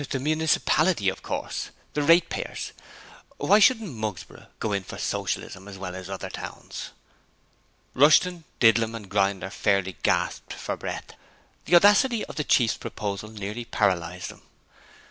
'The municipality of course! The ratepayers. Why shouldn't Mugsborough go in for Socialism as well as other towns?' Rushton, Didlum and Grinder fairly gasped for breath: the audacity of the chief's proposal nearly paralysed them.